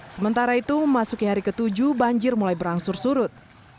sementara itu memasuki hari ke tujuh banjir mulai berangsur surut